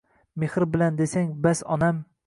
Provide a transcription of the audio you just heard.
Mehr bilan desang bas onam